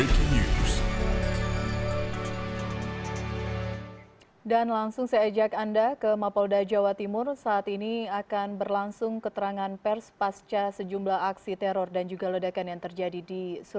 cnn indonesia breaking news